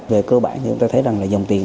về cơ bản thì chúng ta thấy rằng là dòng tiền